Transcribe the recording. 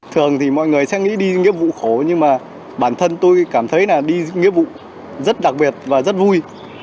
thường thì mọi người sẽ nghĩ đi nghiệp vụ khổ nhưng mà bản thân tôi cảm thấy là đi nghiệp vụ rất đặc biệt và rất vui